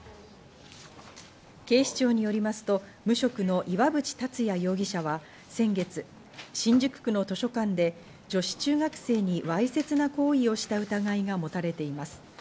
警視庁によりますと、無職の岩淵達也容疑者は先月、新宿区の図書館で女子中学生にわいせつな行為をした疑いが持たれています。